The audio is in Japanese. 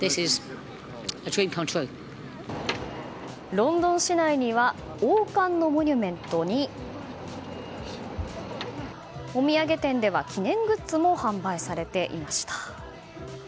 ロンドン市内には王冠のモニュメントにお土産店では記念グッズも販売されていました。